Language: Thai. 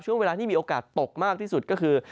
ช่วงเวลาที่มีโอกาสตกมากที่สุดก็คือ